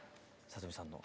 里見さんの。